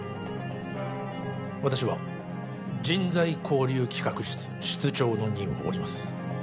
私は人材交流企画室室長の任を降ります